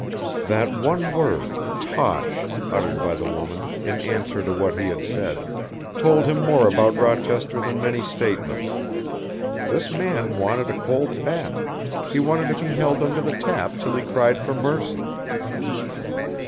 That one word "Tosh!" uttered by the woman, in answer to what he had said, told him more about Rochester than many statements. This man wanted a cold bath, he wanted to be held under the tap till he cried for mercy.